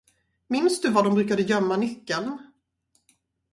Minns du var de brukade gömma nyckeln?